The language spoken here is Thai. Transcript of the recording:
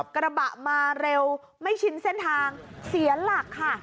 กระบะมาเร็วไม่ชินเส้นทางเสียหลักค่ะ